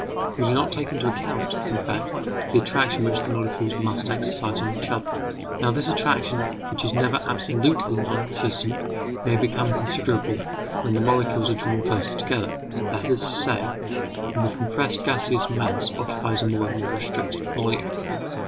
We do not take into account, in fact, the attraction which the molecules must exercise on each other. Now, this attraction, which is never absolutely non existent, may become considerable when the molecules are drawn closer together; that is to say, when the compressed gaseous mass occupies a more and more restricted volume.